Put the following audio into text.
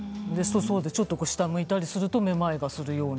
ちょっと下を向いたりするとめまいがするような。